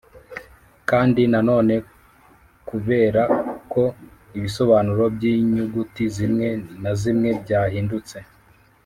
kandi nanone kubera ko ibisobanuro by’inyuguti zimwe na zimwe byahindutse